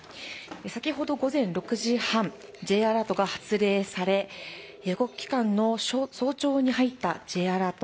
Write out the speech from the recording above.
先ほど午前６時半、Ｊアラートが発令され、予告期間の早朝に入ったＪアラート